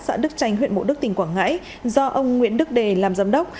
xã đức trành huyện mộ đức tỉnh quảng ngãi do ông nguyễn đức đề làm giám đốc